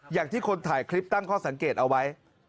อย่างที่คนถ่ายคลิปตั้งข้อสังเกตเอาไว้